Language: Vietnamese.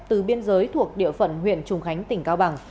từ biên giới thuộc địa phận huyện trùng khánh tỉnh cao bằng